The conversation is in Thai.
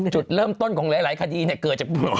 จุดเริ่มต้นของหลายคดีเนี่ยเกิดจะเยอะอยู่